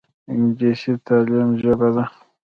انګلیسي د تعلیم ژبه ده